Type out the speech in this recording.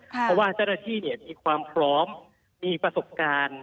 เพราะว่าจรฐีมีความพร้อมมีประสบการณ์